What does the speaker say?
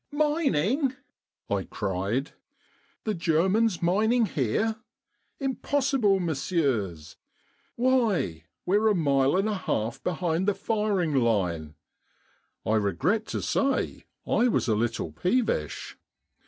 " Mining," I cried, " the Germans mining here ! Impossible, messieurs. Why, we're a mile and a half behind the firing line." I re gret to say I was a little peevish.